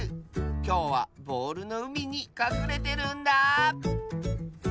きょうはボールのうみにかくれてるんだあ。